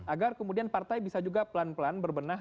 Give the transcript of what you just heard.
agar kemudian partai bisa juga pelan pelan berbenah